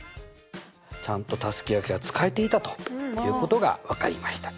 ちゃんとたすきがけが使えていたということが分かりました。